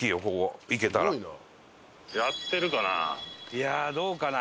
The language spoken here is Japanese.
いやどうかな？